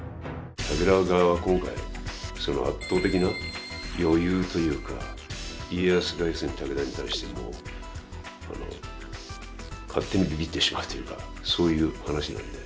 武田側は今回その圧倒的な余裕というか家康が要するに武田に対しても勝手にびびってしまうというかそういう話なんで。